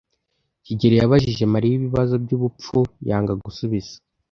kigeli yabajije Mariya ibibazo byubupfu yanga gusubiza.